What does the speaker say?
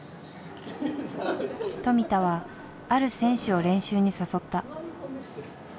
富田はある選手を練習に誘った。